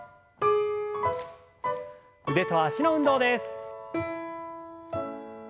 腕と脚の運動です。